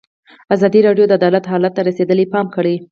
ازادي راډیو د عدالت حالت ته رسېدلي پام کړی.